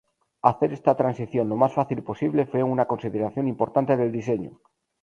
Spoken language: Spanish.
Hacer esta transición lo más fácil posible fue una consideración importante del diseño.